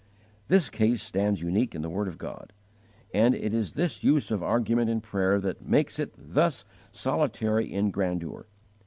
This case stands unique in the word of God, and it is this use of argument in prayer that makes it thus solitary in grandeur.